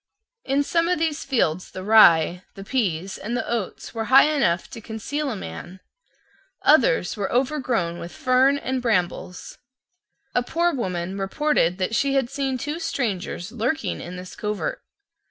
In some of these fields the rye, the pease, and the oats were high enough to conceal a man. Others were overgrown with fern and brambles. A poor woman reported that she had seen two strangers lurking in this covert.